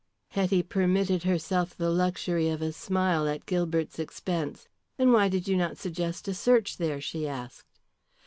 Hetty permitted herself the luxury of a smile at Gilbert's expense. "Then why did not you suggest a search there?" she asked.